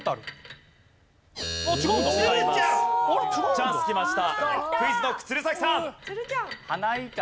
チャンスきましたＱｕｉｚＫｎｏｃｋ鶴崎さん。